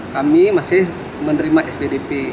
kami masih menerima sbdp